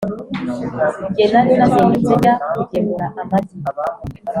nge nari nazindutse njya kugemura amagi.